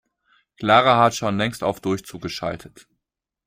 Clara hat schon längst auf Durchzug geschaltet.